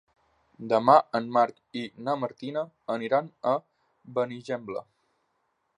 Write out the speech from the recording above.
Demà en Marc i na Martina aniran a Benigembla.